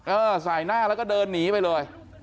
ใส่หน้าแล้วก็เดินหนีไปเลย